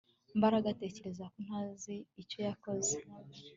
Mbaraga atekereza ko ntazi icyo yakoze